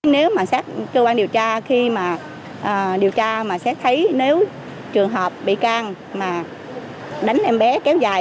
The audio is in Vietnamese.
nếu mà cơ quan điều tra khi mà điều tra mà xét thấy nếu trường hợp bị can mà đánh em bé kéo dài